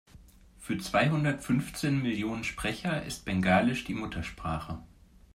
Für zweihundertfünfzehn Millionen Sprecher ist Bengalisch die Muttersprache.